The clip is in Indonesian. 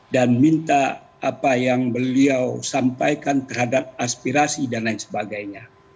dan minta apa yang beliau sampaikan terhadap aspirasi dan lain sebagainya